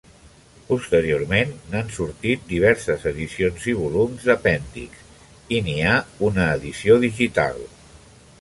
Posteriorment n'han sortit diverses edicions i volums d'apèndix, i n'hi ha una edició digital.